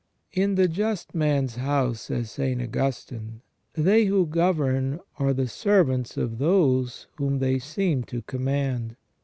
" In the just man's house/' says St. Augustine, " they who govern are the servants of those whom they seem to command.